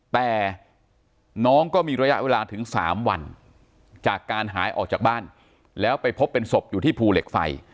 แต่น้องก็มีระยะเวลาถึง๓วันจากการหายออกจากบ้านแล้วไปพบเป็นศพอยู่ที่ภูเหล็กไฟ